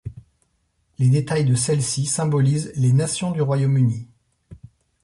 Les détails de celles-ci symbolisent les nations du Royaume-Uni.